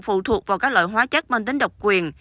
phụ thuộc vào các loại hóa chất mang tính độc quyền